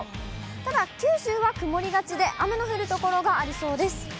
ただ、九州は曇りがちで、雨の降る所がありそうです。